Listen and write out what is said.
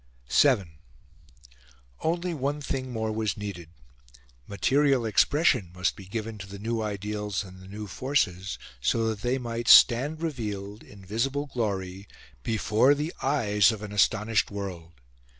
VII Only one thing more was needed: material expression must be given to the new ideals and the new forces so that they might stand revealed, in visible glory, before the eyes of an astonished world.